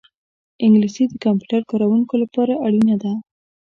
انګلیسي د کمپیوټر کاروونکو لپاره اړینه ده